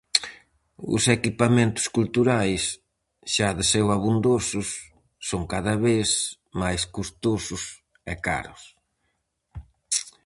Os equipamentos culturais, xa de seu abondosos, son cada vez máis custosos e caros.